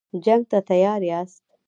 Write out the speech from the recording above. جنګ ته تیار یاست.